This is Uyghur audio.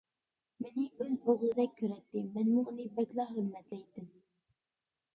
مېنى ئۆز ئوغلىدەك كۆرەتتى مەنمۇ ئۇنى بەكلا ھۆرمەتلەيتتىم.